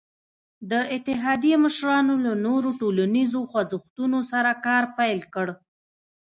د اتحادیې مشرانو له نورو ټولنیزو خوځښتونو سره کار پیل کړ.